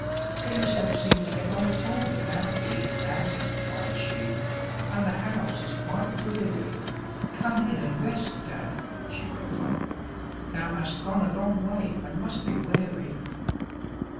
" Things don't seem to get on at all without thee, dad !" cried she, " and the house is quite dreary. Come in and rest, dad," she went on ;" thou hast gone a long way and must be weary."